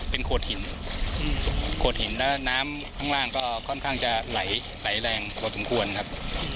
เป็นโขดหินโขดหินแล้วน้ำข้างล่างก็ค่อนข้างจะไหลแรงพอสมควรครับ